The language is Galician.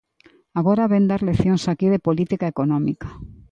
Agora vén dar leccións aquí de política económica.